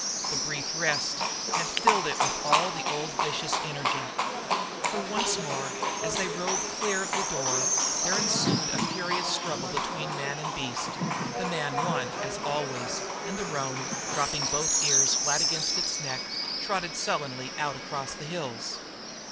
The brief rest had filled it with all the old, vicious energy. For once more, as soon as they rode clear of the door, there ensued a furious struggle between man and beast. The man won, as always, and the roan, dropping both ears flat against its neck, trotted sullenly out across the hills.